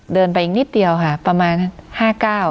เดินไปอีกนิดเดียวค่ะประมาณห้าเก้า